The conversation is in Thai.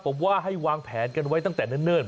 ผมว่าให้วางแผนกันไว้ตั้งแต่เนิ่น